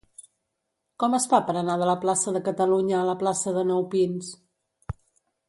Com es fa per anar de la plaça de Catalunya a la plaça de Nou Pins?